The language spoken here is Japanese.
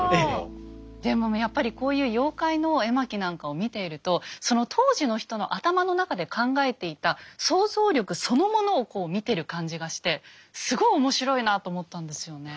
でもやっぱりこういう妖怪の絵巻なんかを見ているとその当時の人の頭の中で考えていた想像力そのものをこう見てる感じがしてすごい面白いなと思ったんですよね。